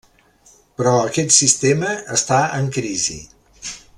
Però aquest sistema està en crisi.